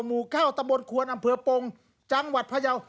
หมูข้าวตะบลควเนิ่ออำเผือปนก์จังหวัดพระยาว